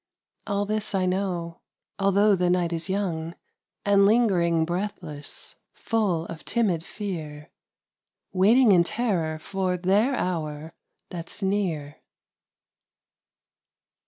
All this I know, although the night is young And ling'ring breathless, full of timid fear, Waiting in terror for their hour that's near.